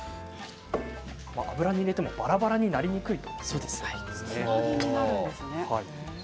油に入れてもばらばらになりにくいんですね。